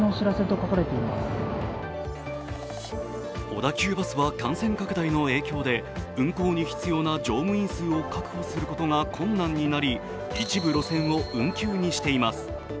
小田急バスは感染拡大の影響で運行に必要な乗務員数を確保することが困難になり一部路線を運休にしています。